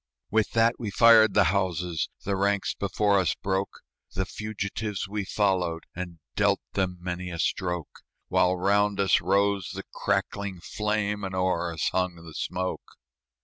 With that we fired the houses; The ranks before us broke; The fugitives we followed, And dealt them many a stroke, While round us rose the crackling flame, And o'er us hung the smoke.